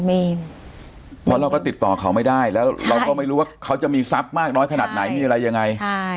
เพราะเราก็ติดต่อเขาไม่ได้แล้วเราก็ไม่รู้ว่าเขาจะมีทรัพย์มากน้อยขนาดไหนมีอะไรยังไง